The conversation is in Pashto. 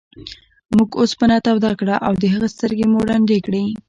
موږ اوسپنه توده کړه او د هغه سترګې مو ړندې کړې.